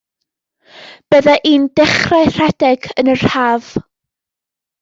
Bydda i'n dechrau rhedeg yn yr haf.